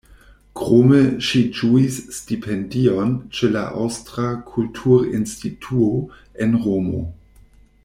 Krome ŝi ĝuis stipendion ĉe la Aŭstra kulturinstituo en Romo.